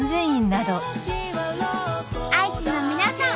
愛知の皆さん